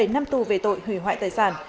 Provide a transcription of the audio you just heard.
bảy năm tù về tội hủy hoại tài sản